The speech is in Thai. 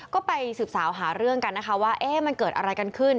ก็ไปสืบสาวหาเรื่องกันนะคะว่ามันเกิดอะไรกันขึ้น